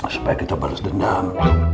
supaya kita barus dengam